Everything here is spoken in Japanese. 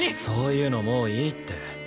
そういうのもういいって。